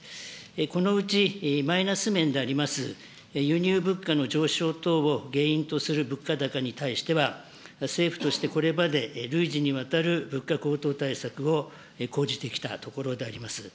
このうちマイナス面であります、輸入物価の上昇等を原因とする物価高に対しては、政府としてこれまで累次にわたる物価高騰対策を講じてきたところであります。